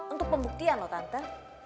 untuk pembuktian loh tante